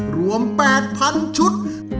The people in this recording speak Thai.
รวม๘๐๐๐ชุด